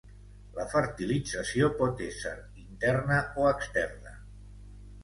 La fertilització pot ésser interna o externa.